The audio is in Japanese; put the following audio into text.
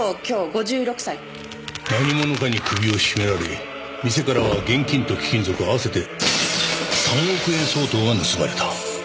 何者かに首を絞められ店からは現金と貴金属合わせて３億円相当が盗まれた。